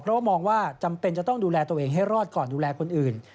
เพราะว่ามองว่าจำเป็นจะต้องดูแลตัวเองให้รอดก่อนดูแลคนอื่น